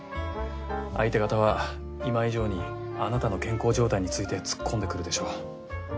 相手方は今以上にあなたの健康状態について突っ込んでくるでしょう。